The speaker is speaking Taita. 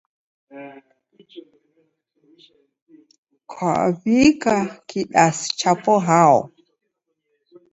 Kwaw'ika kidasi chapo hao?